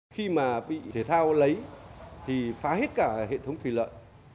khi mà bị thể thao lấy thì phá hết cả hệ thống thủy lợi